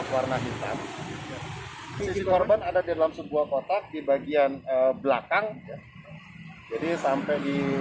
warna hitam sisi korban ada di dalam sebuah kotak di bagian belakang jadi sampai di